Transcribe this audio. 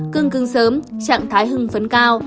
cưng cưng sớm trạng thái hưng phấn cao